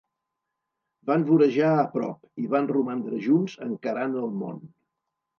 Van vorejar a prop, i van romandre junts encarant el món.